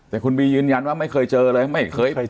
แต่คุณบียืนยันว่าไม่เคยเจอเลยไม่เคยเจอ